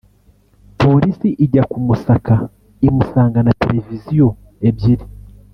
polisi ijya kumusaka imusangana Televiziyo ebyiri